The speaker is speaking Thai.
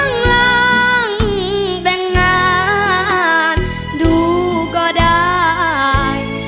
น้องล้างแต่งงานดูก็ได้